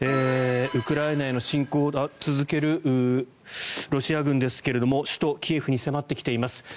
ウクライナへの侵攻を続けるロシア軍ですが首都キエフに迫ってきています。